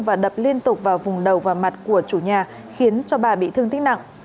và đập liên tục vào vùng đầu và mặt của chủ nhà khiến cho bà bị thương tích nặng